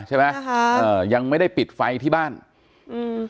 ใช่ไหมใช่ค่ะเอ่อยังไม่ได้ปิดไฟที่บ้านอืม